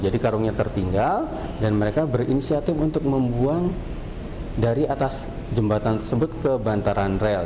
jadi karungnya tertinggal dan mereka berinisiatif untuk membuang dari atas jembatan tersebut ke bantaran rel